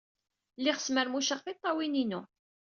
Lliɣ smermuceɣ tiṭṭawin-inu.